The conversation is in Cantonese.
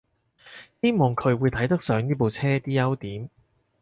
希望佢會睇得上呢部車啲優點